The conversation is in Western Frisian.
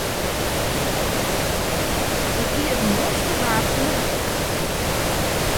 It wie it moaiste waar fan de wrâld.